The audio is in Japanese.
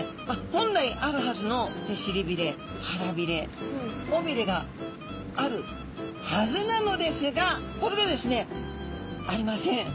本来あるはずの尻びれ腹びれ尾びれがあるはずなのですがこれがですねありません。